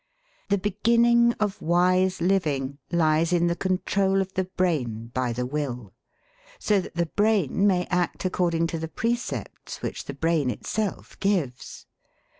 The beginning of wise living lies in the control of the brain by the will; so that the brain may act according to the precepts which the brain itself gives.